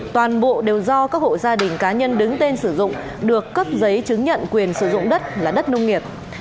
toàn bộ đều do các hộ gia đình cá nhân đứng tên sử dụng được cấp giấy chứng nhận quyền sử dụng đất là đất nông nghiệp